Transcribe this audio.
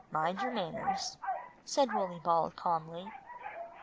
Mind your manners!" said Wooley Ball calmly.